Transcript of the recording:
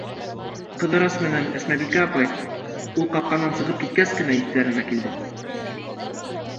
Ҡыҙырас менән Әсмәбикә апай, ул ҡапҡанан сығып киткәс кенә, иҫтәренә килде.